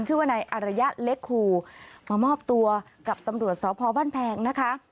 ชื่อว่านายอารยะเล็กครูมามอบตัวกับตำรวจสพบ้านแพงนะคะ